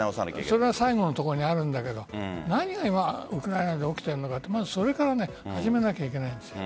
それが最後にあるんだけど何がウクライナで起きているのかまずそれから始めなきゃいけないです。